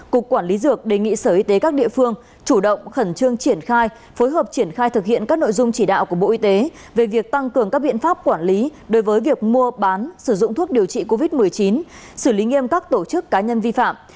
cục quản lý dược đề nghị sở y tế các địa phương chủ động khẩn trương triển khai phối hợp triển khai thực hiện các nội dung chỉ đạo của bộ y tế về việc tăng cường các biện pháp quản lý đối với việc mua bán sử dụng thuốc điều trị covid một mươi chín xử lý nghiêm các tổ chức cá nhân vi phạm